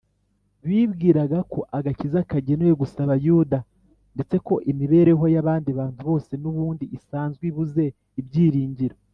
. Bibwiraga ko agakiza kagenewe gusa Abayuda, ndetse ko imibereho y’abandi bantu bose n’ubundi isanzwe ibuze ibyiringiro